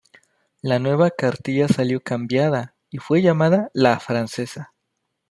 La nueva cartilla salió cambiada y fue llamada "la francesa".